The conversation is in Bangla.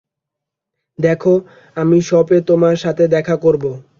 দেখো, আমি শপে তোমার সাথে দেখা করব।